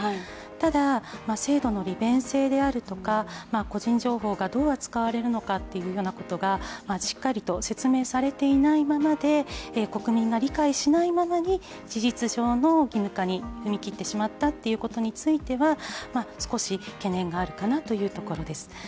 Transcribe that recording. ただ、制度の利便性であるとか個人情報がどう扱われるようになるかというのはしっかりと説明されていないままで国民が理解しないままに事実上の義務化に踏み切ってしまったということについては少し懸念があるかなというところです。